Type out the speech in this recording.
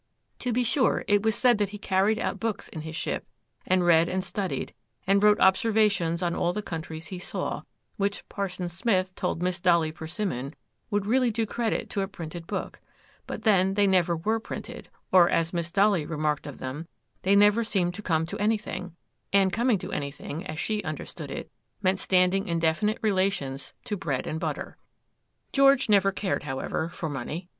To be sure, it was said that he carried out books in his ship, and read and studied, and wrote observations on all the countries he saw, which Parson Smith told Miss Dolly Persimmon would really do credit to a printed book; but then they never were printed, or, as Miss Dolly remarked of them, they never seemed to come to anything—and coming to anything, as she understood it, meant standing in definite relations to bread and butter. George never cared, however, for money.